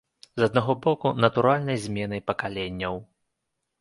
З аднаго боку, натуральнай зменай пакаленняў.